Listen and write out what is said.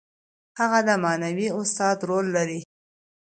هغه د معنوي استاد رول لري.